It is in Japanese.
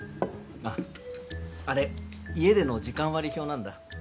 あっあれ家での時間割表なんだ。